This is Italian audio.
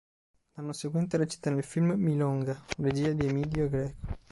L'anno seguente recita nel film "Milonga," regia di Emidio Greco.